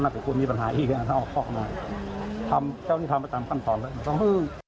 นั่นแหละก็ควรมีปัญหาเนี่ยถ้าออกของมาเจ้านี่ทำไปตามกั้นตอนแล้ว